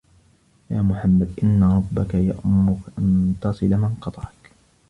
يَا مُحَمَّدُ إنَّ رَبَّك يَأْمُرُك أَنْ تَصِلَ مَنْ قَطَعَك